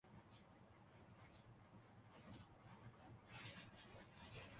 Tahir al-Qadri